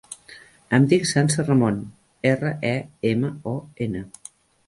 Em dic Sança Remon: erra, e, ema, o, ena.